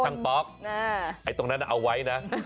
ป๊อกไอ้ตรงนั้นเอาไว้นะ